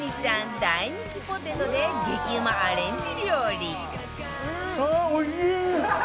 大人気ポテトで激うまアレンジ料理